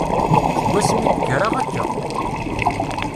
Seg wasmi i d-kkreɣ akka.